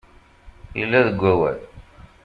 Illa deg wawal.